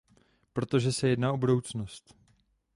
Protože se jedná o budoucnost.